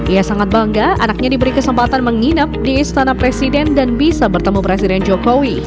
ia sangat bangga anaknya diberi kesempatan menginap di istana presiden dan bisa bertemu presiden jokowi